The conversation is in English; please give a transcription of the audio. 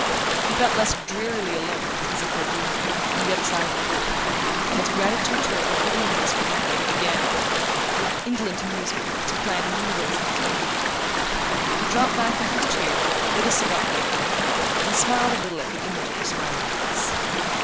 He felt less drearily alone because of her being there, on the other side of the door, and in his gratitude to her for giving him this relief he began, with indolent amusement, to plan new ways of detaining her. He dropped back into his chair, lit a cigar, and smiled a little at the image of her smiling face.